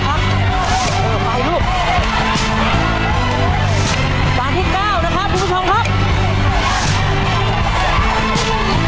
ต่างที่๙นะครับคุณผู้ชมครับ